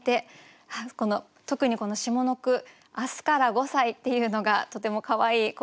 特にこの下の句「明日から五歳」っていうのがとてもかわいい。